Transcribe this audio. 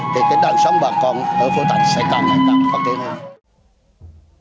thì cái đại sống bà con ở phố tạch sẽ càng nhanh càng có kế hoạch